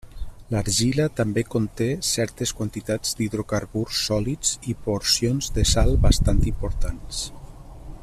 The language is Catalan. L'argila també conté certes quantitats d'hidrocarburs sòlids i proporcions de sal bastant importants.